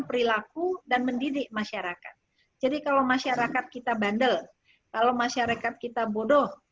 perilaku dan mendidik masyarakat jadi kalau masyarakat kita bandel kalau masyarakat kita bodoh